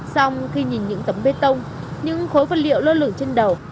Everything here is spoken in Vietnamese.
xong khi nhìn những tấm bê tông những khối vật liệu lơ lửng trên đầu